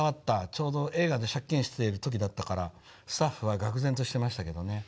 ちょうど映画で借金をしている時だったからスタッフはがく然としていましたけどね。